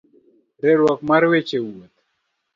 Riwruok mar weche wuoth